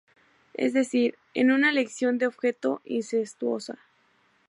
Es decir, en una elección de objeto incestuosa.